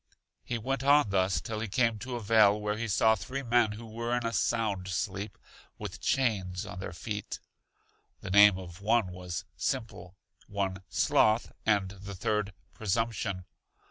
He went on thus till he came to a vale where he saw three men who were in a sound sleep, with chains on their feet. The name of one was Simple, one Sloth, and the third Presumption.